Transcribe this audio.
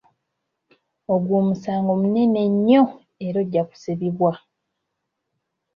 Ogwo omusango munene nnyo era ojja kusibibwa.